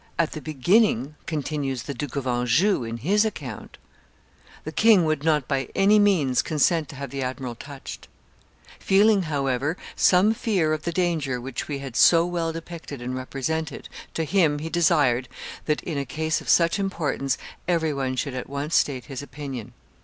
"At the beginning," continues the Duke of Anjou, in his account, "the king would not by any means consent to have the admiral touched; feeling, however, some fear of the danger which we had so well depicted and represented, to him, he desired that, in a case of such importance, every one should at once state his opinion."